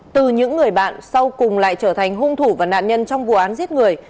từ những người bạn sau cùng lại trở thành hung thủ và nạn nhân trong vụ án giết người